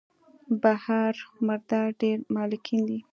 بحر مردار ډېر مالګین دی.